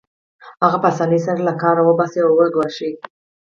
هغه په اسانۍ سره له کاره وباسي او ګواښي